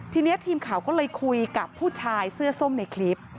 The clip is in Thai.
ทีนี้ทีมข่าวก็เลยคุยกับผู้ชายเสื้อส้มในคลิป